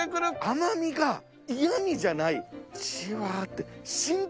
甘みが嫌みじゃないじわって。